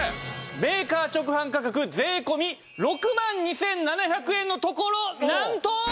メーカー直販価格税込６万２７００円のところなんと！